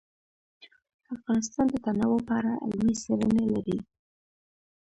افغانستان د تنوع په اړه علمي څېړنې لري.